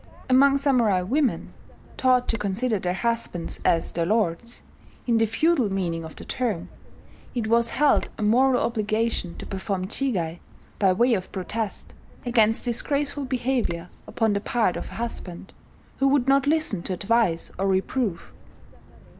Among samurai women taught to consider their husbands as their lords, in the feudal meaning of the term it was held a moral obligation to perform jigai, by way of protest, against disgraceful behaviour upon the part of a husband who would not listen to advice or reproof.